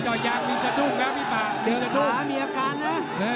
จอดยางมีสนุกนะพี่ป่าเตะขามีอาการนะ